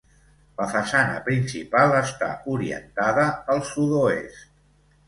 La façana principal està orientada al sud-oest.